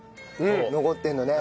残ってるのね。